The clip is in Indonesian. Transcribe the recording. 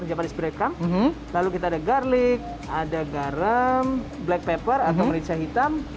japanese breakam lalu kita ada garlic ada garam black pepper atau merica hitam